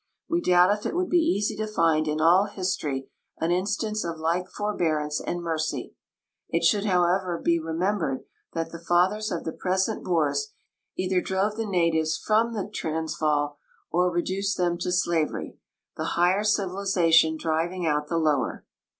We doubt if it would be eas}'' to find in all history an instance of like forbear ance and mercy. It should, however, be remembered that the fathers of the present Boers .either drove the natives from the Transvaal or reduced them to slavery, the higher civilization driving out the lower.